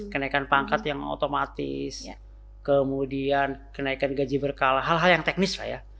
kenaikan pangkat yang otomatis kemudian kenaikan gaji berkala hal hal yang teknis lah ya